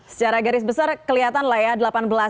secara garis besar kelihatan lah ya